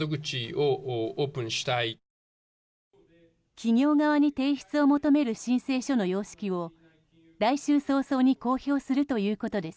企業側に提出を求める申請書の様式を来週早々に公表するということです。